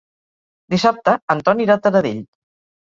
Dissabte en Ton irà a Taradell.